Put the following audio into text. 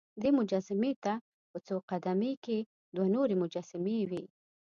دې مجسمې ته په څو قد مې کې دوه نورې مجسمې وې.